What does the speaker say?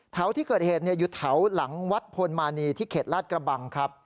แถวที่เกิดเหตุอยู่แถวหลังวัดพลมานีที่เขตลาดกระบังครับ